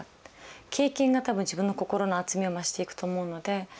経験が多分自分の心の厚みを増していくと思うので。